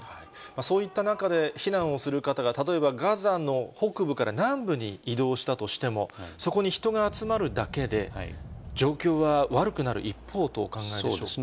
そういった中で避難をする中で、例えばガザの北部から南部に移動したとしても、そこに人が集まるだけで、状況は悪くなる一方とお考えでしょうか。